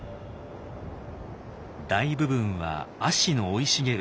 大部分は葦の生い茂る